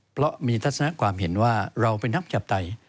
เพราะมีทัศนความเห็นว่าเราเป็นนักประชาปไตย